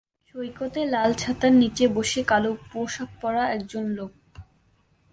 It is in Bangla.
সৈকতে লাল ছাতার নিচে বসে কালো পোশাক পরা একজন লোক।